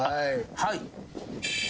はい。